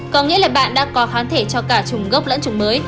có nghĩa là bạn đã có kháng thể cho cả trùng gốc lẫn chủng mới